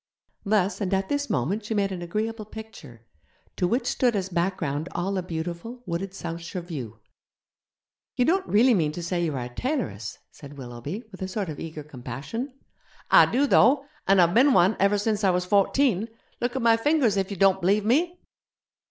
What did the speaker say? Thus and at this moment she made an agreeable picture, to which stood as background all the beautiful, wooded Southshire view. 'You don't really mean to say you are a tailoress?' said Willoughby, with a sort of eager compassion. 'I do, though! An' I've bin one ever since I was fourteen. Look at my fingers if you don't b'lieve me.'